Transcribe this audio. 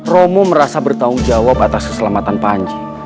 romo merasa bertanggung jawab atas keselamatan panji